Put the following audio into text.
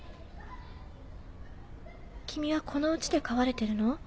君はこの家で飼われてるの？